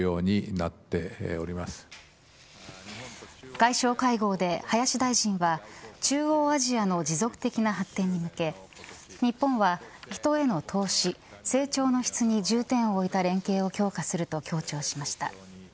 外相会合で林大臣は中央アジアの持続的な発展に向け日本は、人への投資成長の質に重点を置いた連携を強化すると強調しました。